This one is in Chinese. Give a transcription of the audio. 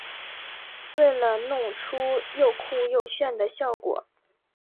为了弄出又酷又炫的效果